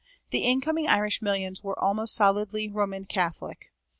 The incoming Irish millions were almost solidly Roman Catholic.